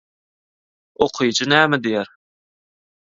«Okyjy näme diýer?»